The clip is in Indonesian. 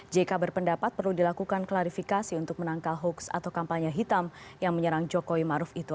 jk berpendapat perlu dilakukan klarifikasi untuk menangkal hoax atau kampanye hitam yang menyerang jokowi maruf itu